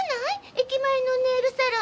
駅前のネイルサロン。